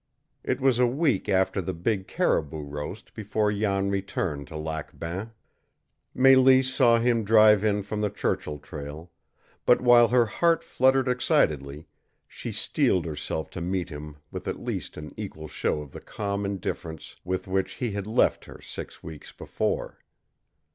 It was a week after the big caribou roast before Jan returned to Lac Bain. Mélisse saw him drive in from the Churchill trail; but while her heart fluttered excitedly, she steeled herself to meet him with at least an equal show of the calm indifference with which he had left her six weeks before.